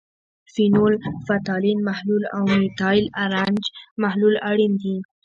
فینول فتالین محلول او میتایل ارنج محلول اړین دي.